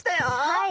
はい。